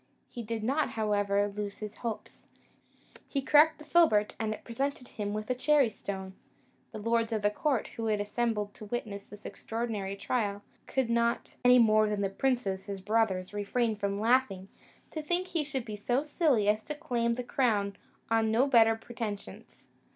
He did not, however, lose his hopes; he cracked the filbert, and it presented him with a cherry stone. The lords of the court, who had assembled to witness this extraordinary trial, could not, any more than the princes his brothers, refrain from laughing, to think he should be so silly as to claim the crown on no better pretensions.